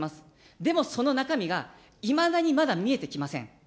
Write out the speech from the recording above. でもその中身が、いまだにまだ見えてきません。